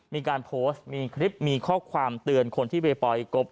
มีการโพสต์มีคลิปมีข้อความเตือนคนที่ไปปล่อยกบ